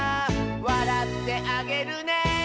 「わらってあげるね」